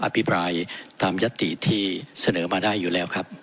พิปรายตามยัตติที่เสนอมาได้อยู่แล้วครับ